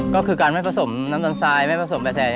ก็คือการไม่ผสมน้ำตาลทรายไม่ผสมผสาน